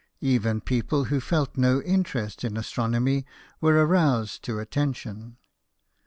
Even people who felt no interest in astronomy were aroused to attention.